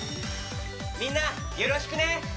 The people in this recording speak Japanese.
みんなよろしくね！